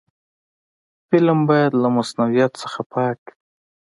فلم باید له مصنوعیت څخه پاک وي